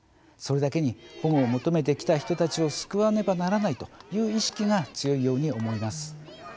それだけに保護を求めて来た人たちを救わねばならないという意識が強いように思います。